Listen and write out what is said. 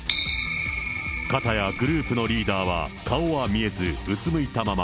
かたやグループのリーダーは顔は見えず、うつむいたまま。